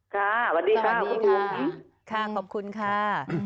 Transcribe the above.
ค่ะสวัสดีค่ะคุณผู้หญิงสวัสดีค่ะค่ะขอบคุณค่ะ